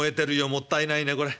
もったいないねこれ。